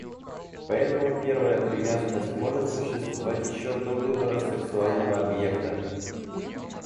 Поэтому первая привязанность может существовать еще до выбора сексуального объекта.